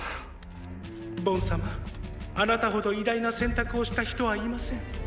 ボン様あなたほど偉大な選択をした人はいません。